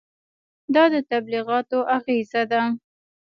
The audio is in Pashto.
دا د تبلیغاتو اغېزه ده.